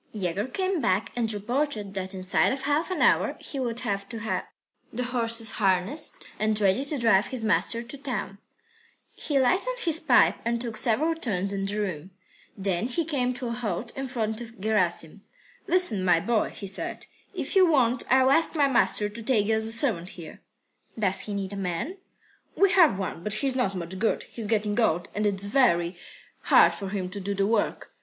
III Yegor came back and reported that inside of half an hour he would have to have the horses harnessed, ready to drive his master to town. He lighted his pipe and took several turns in the room. Then he came to a halt in front of Gerasim. "Listen, my boy," he said, "if you want, I'll ask my master to take you as a servant here." "Does he need a man?" "We have one, but he's not much good. He's getting old, and it's very hard for him to do the work.